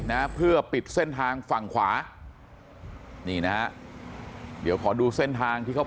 นะเพื่อปิดเส้นทางฝั่งขวานี่นะฮะเดี๋ยวขอดูเส้นทางที่เขา